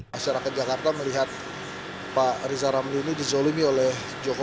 masyarakat jakarta melihat pak riza ramli ini dizolomi oleh